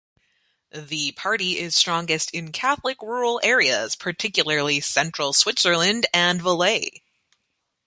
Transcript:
The party is strongest in Catholic rural areas, particularly Central Switzerland and Valais.